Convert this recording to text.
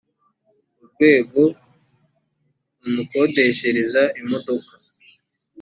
urwego rumukodeshereza imodoka